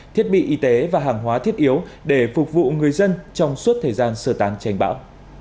thiết bị y tế và hàng hóa thiết yếu để phục vụ người dân trong suốt thời gian sơ tán tránh bão